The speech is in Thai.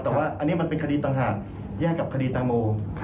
แต่ว่าอันนี้มันเป็นคดีต่างหากแยกกับคดีตังโม